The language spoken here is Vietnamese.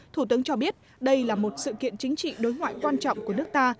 thủ tướng cho biết đây là một sự kiện chính trị đối ngoại quan trọng của nước ta